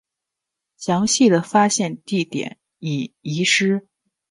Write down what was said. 详细的发现地点已遗失。